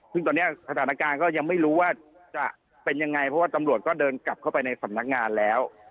ซึ่งตอนนี้สถานการณ์ก็ยังไม่รู้ว่าจะเป็นยังไงเพราะว่าตำรวจก็เดินกลับเข้าไปในสำนักงานแล้ว